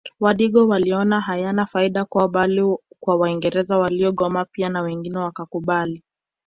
Wadigo waliona hayana faida kwao bali kwa waingereza waligoma pia na wengine wakakubali